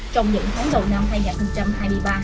trong những tháng đầu năm hai nghìn hai mươi ba